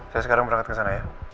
saya sekarang berangkat kesana ya